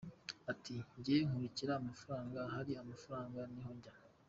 Ati “Njye nkurikira amafaranga, ahari amafaranga niho njya.